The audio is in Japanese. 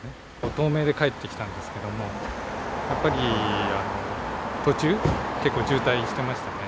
東名で帰ってきたんですけど、やっぱり途中、結構渋滞してましたね。